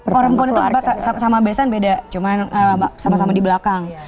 perempuan itu sama besan beda cuma sama sama di belakang